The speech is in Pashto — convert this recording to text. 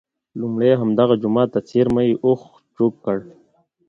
لومړی همدغه جوما ته څېرمه یې اوښ چوک کړ.